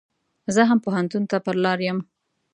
زه هم پو هنتون ته پر لار يم.